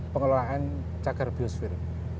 pengelolaan cagar biosfir